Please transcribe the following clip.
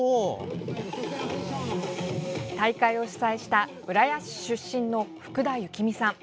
大会を主催した、浦安市出身の福田恭巳さん。